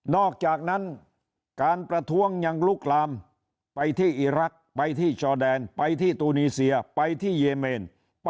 อกจากนั้นการประท้วงยังลุกลามไปที่อีรักษ์ไปที่จอแดนไปที่ตูนีเซียไปที่เยเมน